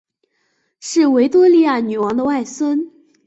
是维多利亚女王的外孙。